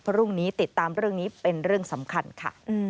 พรุ่งนี้ติดตามเรื่องนี้เป็นเรื่องสำคัญค่ะ